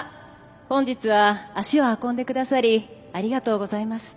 本日は足を運んで下さりありがとうございます。